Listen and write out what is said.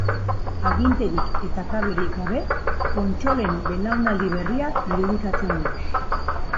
Aginterik eta kablerik gabe, kontsolen belaunaldi berria irudikatzen du.